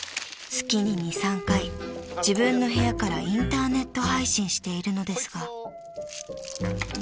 ［月に２３回自分の部屋からインターネット配信しているのですが］